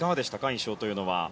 印象というのは。